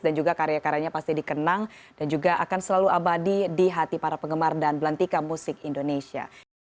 dan juga karya karyanya pasti dikenang dan juga akan selalu abadi di hati para penggemar dan belantika musik indonesia